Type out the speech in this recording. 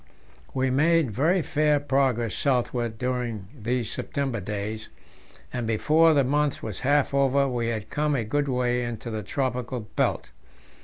We made very fair progress southward during these September days, and before the month was half over we had come a good way into the tropical belt.